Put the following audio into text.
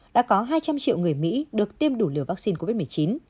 đã có hai trăm linh triệu người mỹ được tiêm đủ liều vaccine covid một mươi chín